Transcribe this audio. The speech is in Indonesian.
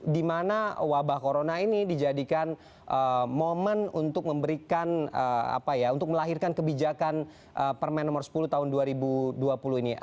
di mana wabah corona ini dijadikan momen untuk melahirkan kebijakan permen nomor sepuluh tahun dua ribu dua puluh ini